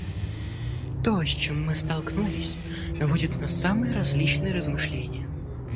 То, с чем мы столкнулись, наводит на самые различные размышления.